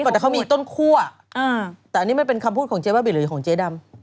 แต่เขามีต้นคั่วแต่อันนี้มันเป็นคำพูดของเจ๊บ้าบินหรือของเจ๊ดำ